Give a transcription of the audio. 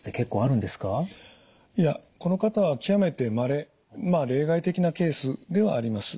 いやこの方は極めてまれまあ例外的なケースではあります。